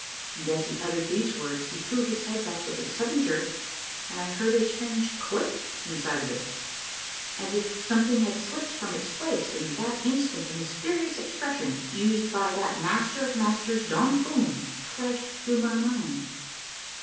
" and as he uttered these words he threw his head back with a sudden jerk and I heard a strange click inside of it, as if some thing had slipped from its place, and that instant a mysterious expression used by that Master of Masters, Don Fum, flashed through my mind.